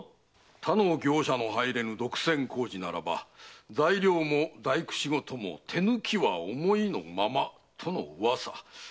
他の業者の入れぬ独占工事なら材料も大工仕事も手抜きは思いのままとの噂。